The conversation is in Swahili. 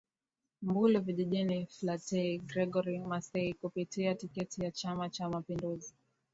Mbulu Vijijini Flatei Gregory Massay kupitia tiketi ya Chama cha mapinduzi